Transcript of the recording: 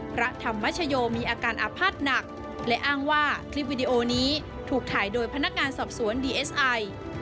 พระธรรมชโยมีอาการอาภาษณ์หนักและอ้างว่าคลิปวิดีโอนี้ถูกถ่ายโดยพนักงานสอบสวนดีเอสไอ